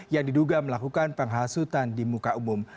yang diduga melakukan penghasutan di muka umum